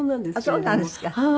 あっそうなんですか。